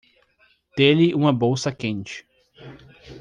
Dê-lhe uma bolsa quente